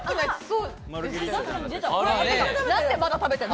なんでまだ食べてるの？